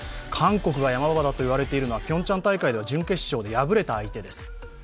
韓国がヤマ場だと言われているのはピョンチャン大会では準決勝で敗れた相手です。